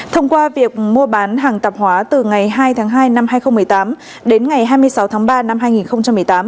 thông qua việc mua bán hàng tạp hóa từ ngày hai tháng hai năm hai nghìn một mươi tám đến ngày hai mươi sáu tháng ba năm hai nghìn một mươi tám